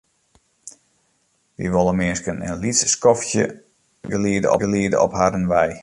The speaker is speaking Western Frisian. Wy wolle minsken in lyts skoftsje begeliede op harren wei.